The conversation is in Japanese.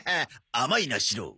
甘いなシロ。